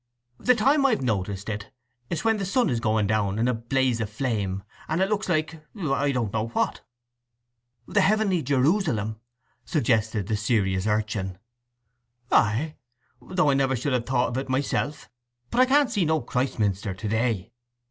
"The time I've noticed it is when the sun is going down in a blaze of flame, and it looks like—I don't know what." "The heavenly Jerusalem," suggested the serious urchin. "Ay—though I should never ha' thought of it myself. … But I can't see no Christminster to day."